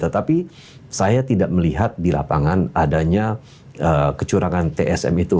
tetapi saya tidak melihat di lapangan adanya kecurangan tsm itu